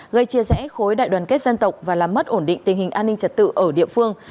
gây chia rẽ khối đại đoàn kết dân tộc và làm mất ổn định tình hình an ninh trật tự ở địa phương